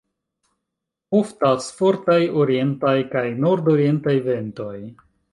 Oftas fortaj orientaj kaj nordorientaj ventoj.